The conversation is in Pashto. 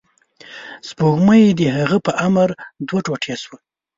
سپوږمۍ د هغه په امر دوه ټوټې شوه.